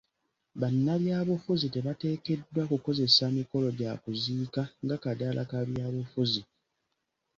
Bannabyabufuzi tebateekeddwa kukozesa mikolo gya kuziika nga kaddaala ka bya bufuzi.